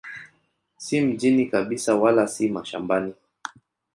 Si mjini kabisa wala si mashambani.